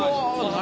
何？